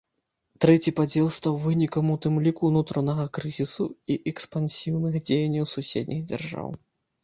Трэці падзел стаў вынікам у тым ліку ўнутранага крызісу і экспансіўных дзеянняў суседніх дзяржаў.